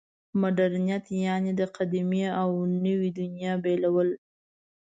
مډرنیت یعنې د قدیمې او نوې دنیا بېلول.